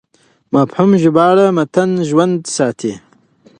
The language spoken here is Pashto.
مفهومي ژباړه متن ژوندی ساتي.